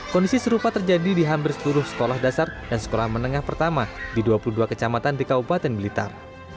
kondisi serupa terjadi di hampir seluruh sekolah dasar dan sekolah menengah pertama di dua puluh dua kecamatan di kabupaten blitar